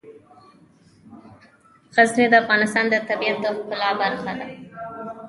غزني د افغانستان د طبیعت د ښکلا برخه ده.